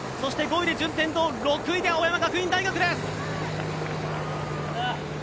５位で順天堂６位で青山学院大学です。